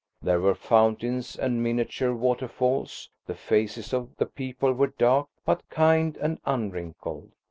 There were fountains and miniature waterfalls. The faces of the people were dark, but kind and unwrinkled.